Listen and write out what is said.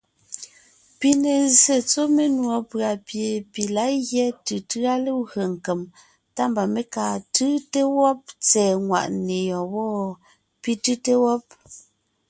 Pi ne zsé tsɔ́ menùɔ pʉ̀a pie pi lǎ gyɛ́ tʉtʉ́a legwé nkem, tá mba mé kaa tʉ́te wɔ́b tsɛ̀ɛ nwàʼne yɔ́ɔn wɔ́? pi tʉ́te wɔ́b.